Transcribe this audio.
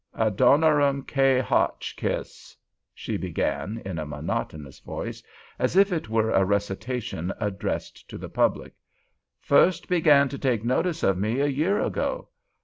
"Adoniram K. Hotchkiss," she began, in a monotonous voice, as if it were a recitation addressed to the public, "first began to take notice of me a year ago.